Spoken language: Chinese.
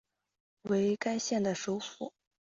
为该县的首府。